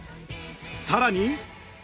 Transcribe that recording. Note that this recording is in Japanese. さらに！